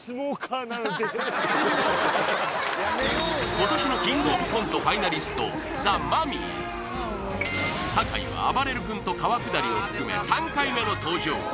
今年のキングオブコントファイナリストザ・マミィ酒井はあばれる君と川下りを含め３回目の登場